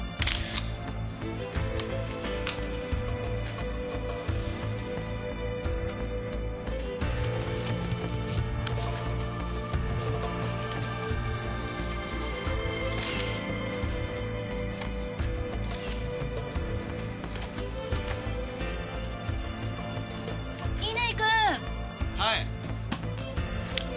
はい！